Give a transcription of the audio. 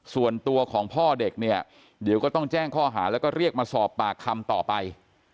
ส่วนตัวของพ่อเด็กเนี่ยเดี๋ยวก็ต้องแจ้งข้อหาแล้วก็เรียกมาสอบปากคำต่อไป